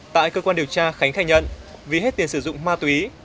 tại cơ quan điều tra khánh khai nhận vì hết tiền sử dụng ma túy